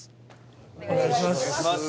お願いします